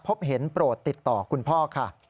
พบเห็นโปรดติดต่อคุณพ่อค่ะ